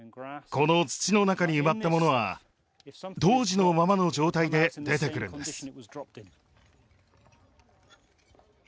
この土の中に埋まったものは当時のままの状態で出てくるんです